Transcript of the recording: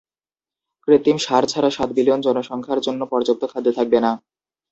কৃত্রিম সার ছাড়া সাত বিলিয়ন জনসংখ্যার জন্য পর্যাপ্ত খাদ্য থাকবে না।